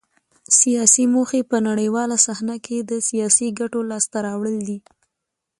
سیاسي موخې په نړیواله صحنه کې د سیاسي ګټو لاسته راوړل دي